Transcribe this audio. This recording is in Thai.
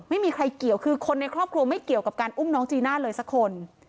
ไม่มีใครเกี่ยวคือคนในครอบครัวไม่เกี่ยวกับการอุ้มน้องจีน่าเลยสักคน